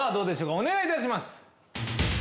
お願いいたします。